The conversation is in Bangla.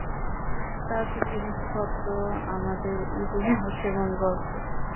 প্রাচীন জিনিসপত্র আমাদের ইতিহাস এবং গর্ব!